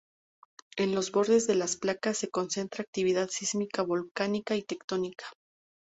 En los bordes de las placas se concentra actividad sísmica, volcánica y tectónica.